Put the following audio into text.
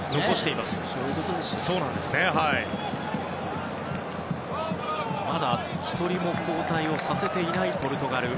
まだ１人も交代をさせていないポルトガル。